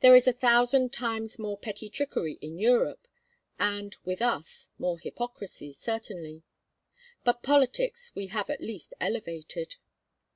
There is a thousand times more petty trickery in Europe; and, with us, more hypocrisy, certainly; but politics we have at least elevated.